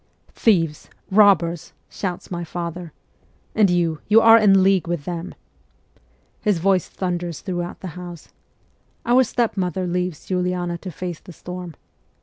' Thieves, robbers !' shouts my father, ' And you, you are in league with them !' His voice thunders throughout the house. Our stepmother leaves Uliana to face the storm.